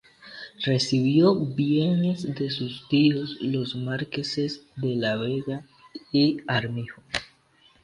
Recibió bienes de sus tíos los marqueses de la Vega y Armijo.